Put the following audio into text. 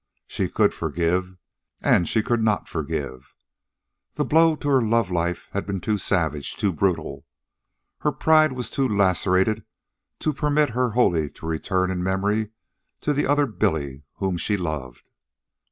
She could forgive, and she could not forgive. The blow to her love life had been too savage, too brutal. Her pride was too lacerated to permit her wholly to return in memory to the other Billy whom she loved.